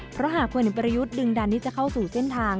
เพราะหากพลเอกประยุทธ์ดึงดันที่จะเข้าสู่เส้นทาง